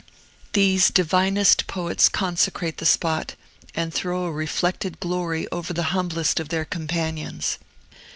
These divinest poets consecrate the spot, and throw a reflected glory over the humblest of their companions.